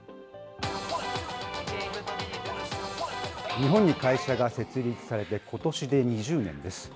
日本に会社が設立されてことしで２０年です。